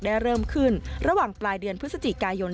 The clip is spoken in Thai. เริ่มขึ้นระหว่างปลายเดือนพฤศจิกายน